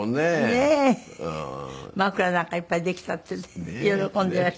枕なんかいっぱいできたってね喜んでいらしたのにね。